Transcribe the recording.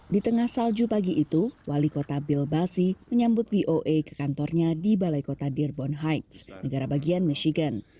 di tengah salju pagi itu wali kota bill basi menyambut voa ke kantornya di balai kota dearbonheits negara bagian michigan